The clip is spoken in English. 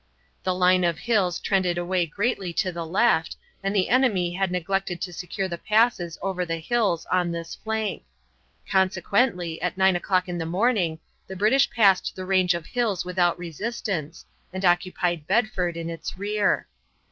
The line of hills trended away greatly to the left, and the enemy had neglected to secure the passes over the hills on this flank; consequently, at nine o'clock in the morning, the British passed the range of hills without resistance, and occupied Bedford in its rear.